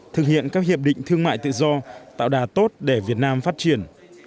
thực hiện các hiệp định thương mại tự do tạo đà tốt để việt nam phát triển